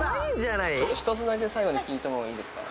１つだけ最後に聞いてもいいですか？